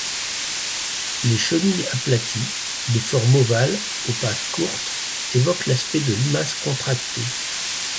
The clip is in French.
Les chenilles aplaties, de forme ovale, aux pattes courtes, évoquent l'aspect de limaces contractées.